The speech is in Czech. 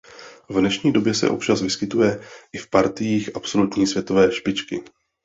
V dnešní době se občas vyskytuje i v partiích absolutní světové špičky.